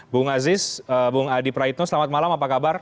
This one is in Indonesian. bung aziz bung adi praitno selamat malam apa kabar